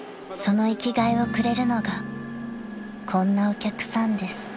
［その生きがいをくれるのがこんなお客さんです］